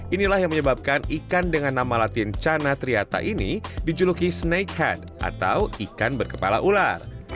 inilah yang menyebabkan ikan dengan nama latin cana triata ini dijuluki snake han atau ikan berkepala ular